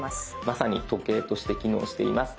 まさに時計として機能しています。